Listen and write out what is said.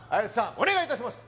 お願いいたします